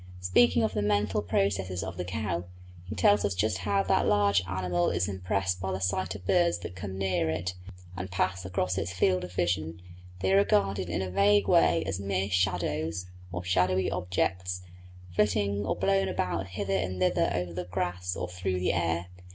Speaking of the mental processes of the cow, he tells us just how that large mammal is impressed by the sight of birds that come near it and pass across its field of vision; they are regarded in a vague way as mere shadows, or shadowy objects, flitting or blown about hither and thither over the grass or through the air.